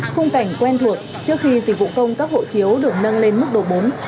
khung cảnh quen thuộc trước khi dịch vụ công cấp hộ chiếu được nâng lên mức độ bốn